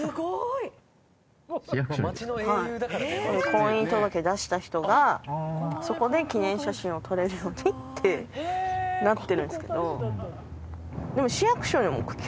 婚姻届出した人がそこで記念写真を撮れるようにってなってるんですけど。